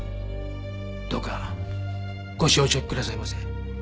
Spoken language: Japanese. どうかご承知おきくださいませ。